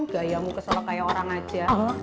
gaya mu kesal kayak orang aja